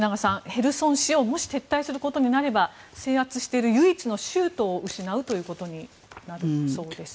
ヘルソン市をもし撤退することになれば制圧している唯一の州都を失うことになるそうです。